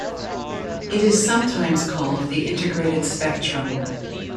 It is sometimes called the integrated spectrum.